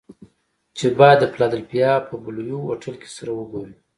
چې بايد د فلادلفيا په بلوويو هوټل کې سره وګوري.